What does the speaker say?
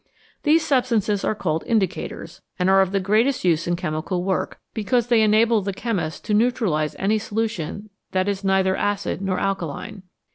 These substances are called in dicators, and are of the greatest use in chemical work, because they enable the chemist so to neutralise any solution that it is neither acid nor alkaline.